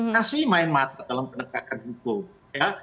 kasih main mata dalam penegakan hukum ya